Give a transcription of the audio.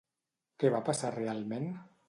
Què va passar realment?